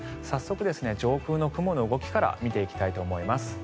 早速、上空の雲の動きから見ていきたいと思います。